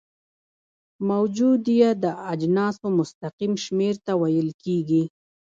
موجودیه د اجناسو مستقیم شمیر ته ویل کیږي.